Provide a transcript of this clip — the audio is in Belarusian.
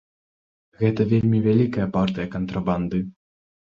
Гэта вельмі вялікая партыя кантрабанды.